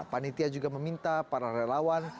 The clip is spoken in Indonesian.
panitia juga meminta para relawan